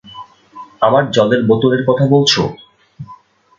আমার জলের বোতলের কথা বলছো?